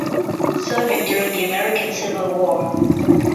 Serving during the American Civil War.